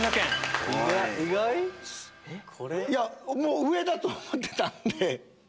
上だと思ってたんで。